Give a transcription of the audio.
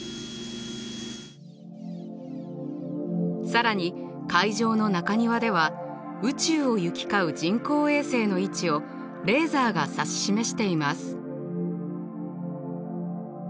更に会場の中庭では宇宙を行き交う人工衛星の位置をレーザーが指し示しています。